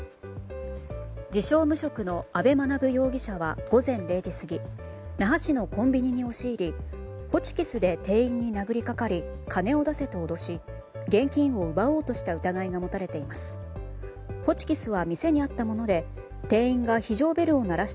自称無職の安部学容疑者は午前０時過ぎ那覇市のコンビニに押し入りホチキスで店員に殴り掛かり金を出せと脅し現金を奪おうとした疑いが持たれています。